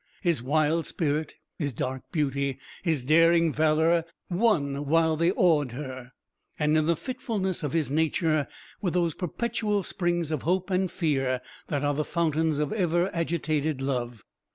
His wild spirit, his dark beauty, his daring valour, won while they awed her; and in the fitfulness of his nature were those perpetual springs of hope and fear that are the fountains of ever agitated love.